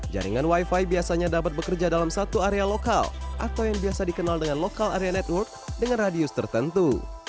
jaringan wifi biasanya dapat bekerja dalam satu area lokal atau yang biasa dikenal dengan lokal area network dengan radius tertentu